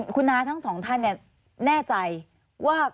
คุณน้าทั้งสองท่านแน่ใจว่า